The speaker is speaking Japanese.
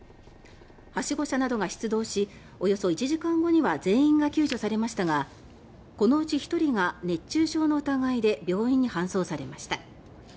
はしご車などが出動しおよそ１時間後には全員が救助されましたがこのうち１人が熱中症の疑いで病院に搬送されました。